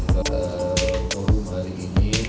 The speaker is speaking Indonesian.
turun hari ini